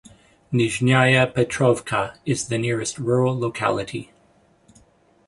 Nizhnyaya Petrovka is the nearest rural locality.